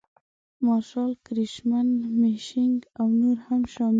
مارشال کرشمن مشینک او نور هم شامل دي.